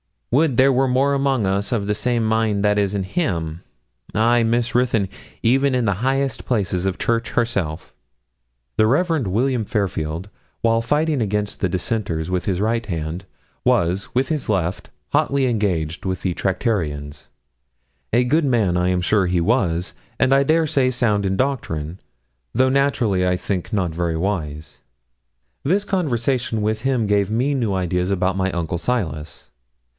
Would there were more among us of the same mind that is in him! Ay, Miss Ruthyn, even in the highest places of the Church herself.' The Rev. William Fairfield, while fighting against the Dissenters with his right hand, was, with his left, hotly engaged with the Tractarians. A good man I am sure he was, and I dare say sound in doctrine, though naturally, I think, not very wise. This conversation with him gave me new ideas about my uncle Silas.